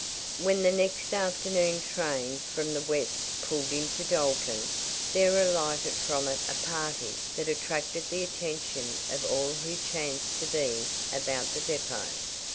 When the next afternoon train from the west pulled into Dalton there alighted from it a party that attracted the attention of all who chanced to be about the depot.